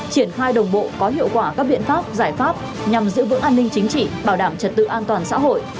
triển khai đồng bộ có hiệu quả các biện pháp giải pháp nhằm giữ vững an ninh chính trị bảo đảm trật tự an toàn xã hội